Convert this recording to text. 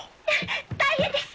大変です！